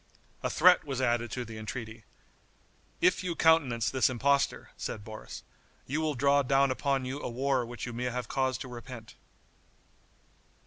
A threat was added to the entreaty: "If you countenance this impostor," said Boris, "you will draw down upon you a war which you may have cause to repent."